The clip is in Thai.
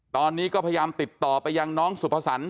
ตอนนี้ก็พยายามติดต่อไปยังน้องสุภสรรค